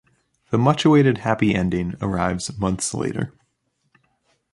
The much awaited happy ending arrives months later.